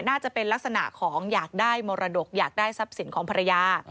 น่าจะเป็นลักษณะของอยากได้มรดกอยากได้ทรัพย์สินของภรรยา